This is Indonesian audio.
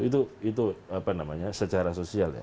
itu apa namanya secara sosial ya